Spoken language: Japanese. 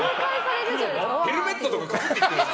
ヘルメットとかかぶっている？